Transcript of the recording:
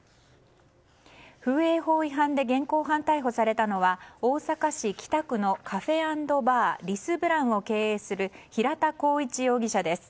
風営法違反で現行犯逮捕されたのは大阪市北区のＣａｆｅ＆ＢａｒＬｙｓＢｌａｎｃを経営する平田浩一容疑者です。